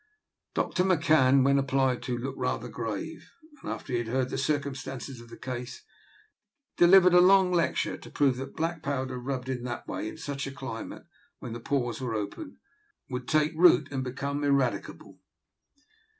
Doctor McCan, when applied to, looked rather grave, and, after he had heard the circumstances of the case, delivered a long lecture to prove that black powder rubbed in in that way, in such a climate, when the pores were open, would take root and become ineradicable.